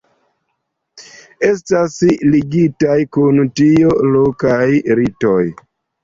Estas ligitaj kun tio lokaj ritoj.